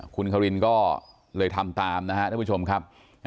คุณคารินก็เลยทำตามนะครับท่านผู้ชมครับ